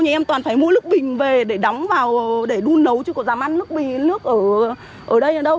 nhà em toàn phải mua nước bình về để đóng vào để đun nấu chứ có dám ăn nước bình nước ở đây ở đâu